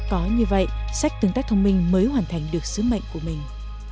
có như vậy sách tương tác thông minh mới hoàn thành được sứ mệnh của mình